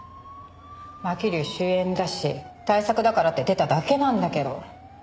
まきりゅう主演だし大作だからって出ただけなんだけど。